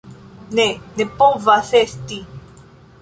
Ne, ne povas esti!